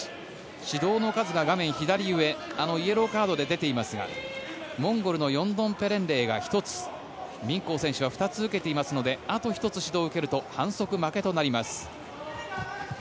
指導の数が画面左上イエローカードで出ていますがモンゴルのヨンドンペレンレイが１つミンコウは２つ受けていますのであと１つ指導を受けると反則負けとなります。